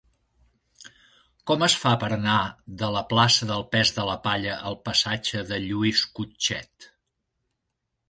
Com es fa per anar de la plaça del Pes de la Palla al passatge de Lluís Cutchet?